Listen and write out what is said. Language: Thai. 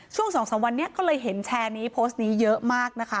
ช่วง๒๓วันนี้ก็เลยเห็นแชร์นี้โพสต์นี้เยอะมากนะคะ